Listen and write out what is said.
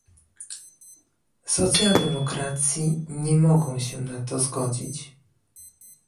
Socjaldemokracji nie mogą się na to zgodzić